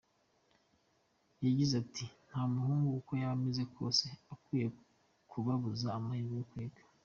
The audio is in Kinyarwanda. Yagize ati “Nta muhungu, uko yaba ameze kose, ukwiye kubabuza amahirwe yo kwiga.